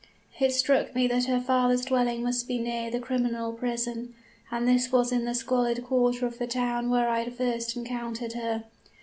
It struck me that her father's dwelling must be near the criminal prison; and this was in the squalid quarter of the town where I had first encountered her.